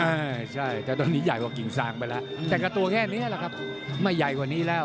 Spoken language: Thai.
อ้าวใช่แต่ตอนนี้ใหญ่กว่ากิ่งศังไปแล้ว